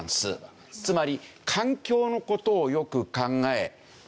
つまり環境の事をよく考え。